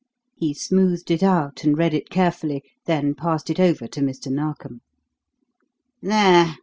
He smoothed it out and read it carefully, then passed it over to Mr. Narkom. "There!"